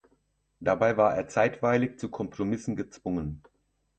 Dabei war er zeitweilig zu Kompromissen gezwungen.